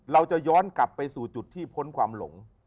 เราจะย้อนกลับไปสู่จุดที่พ้นความหลง